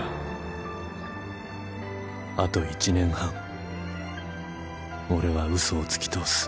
あと１年半俺は嘘をつき通す